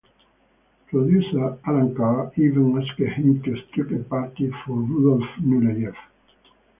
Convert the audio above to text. Producer Allan Carr even asked him to streak at a party for Rudolph Nureyev.